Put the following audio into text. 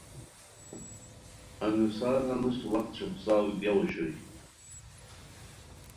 انوسار انوس وخت شوخڅاؤ گیاؤ اوشوئے